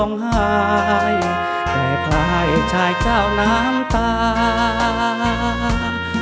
ใกล้ตาได้ยินมันล่าเสียงไกล